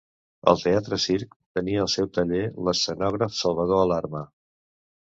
Al Teatre Circ tenia el seu taller l'escenògraf Salvador Alarma.